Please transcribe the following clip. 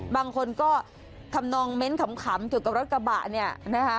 บางคนก็ทำนองเม้นขำเกี่ยวกับรถกระบะเนี่ยนะคะ